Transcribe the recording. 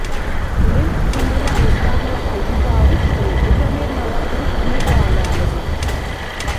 ლემსგი მჷლა̈მ ი კვა̈მ ლახე ჟიბავ ესღრიხ, ეჯა მე̄რმა ლა̈დღიშდ მეგვა̄ლა̄̈ლ ლი.